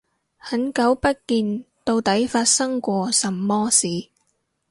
很久不見，到底發生過什麼事